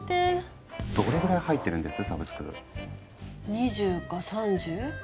２０か３０？